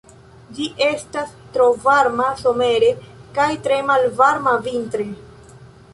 Ĝi estas tro varma somere kaj tre malvarma vintre.